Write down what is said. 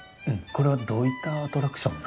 これはどういったアトラクションなの？